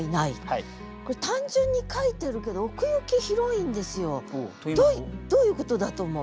これ単純に書いてるけど奥行き広いんですよ。どういうことだと思う？